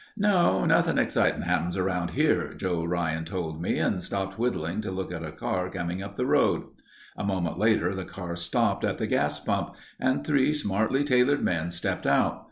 "No—nothing exciting happens around here," Joe Ryan told me and stopped whittling to look at a car coming up the road. A moment later the car stopped at the gas pump and three smartly tailored men stepped out.